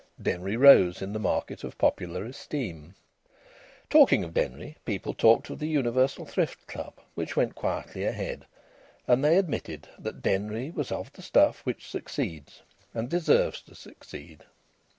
Denry rose in the market of popular esteem. Talking of Denry, people talked of the Universal Thrift Club, which went quietly ahead, and they admitted that Denry was of the stuff which succeeds and deserves to succeed.